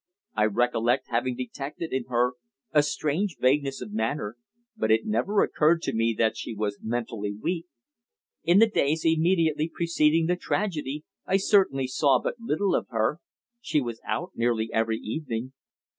"I recollect having detected in her a strange vagueness of manner, but it never occurred to me that she was mentally weak. In the days immediately preceding the tragedy I certainly saw but little of her. She was out nearly every evening."